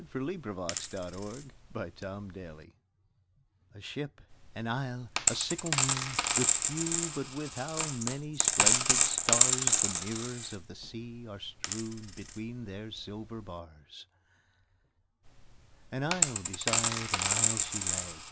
174 A Ship^ an Isle, a Sickle Moon A ship, an isle, a sickle moon — With few but with how splendid stars The mirrors of the sea are strewn Between their silver bars ! An isle beside an isle she lay.